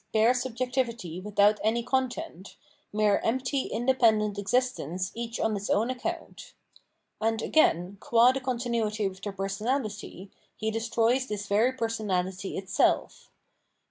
bare subjectivity without any content, mere empty independent existence each on its own account. And, again, qua the continuity of their personality, he destroys this very personahty itself.